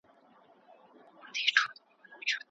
آیا تاسې په ښوونځي کې زده کړې کړي؟